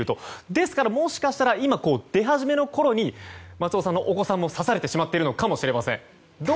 ですから、もしかしたら出はじめのころに松尾さんのお子さんも刺されてしまっているのかもしれません。